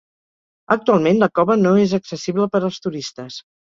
Actualment la cova no és accessible per als turistes.